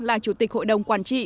là chủ tịch hội đồng quản trị